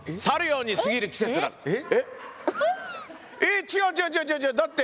去るようにすぎる季節だ。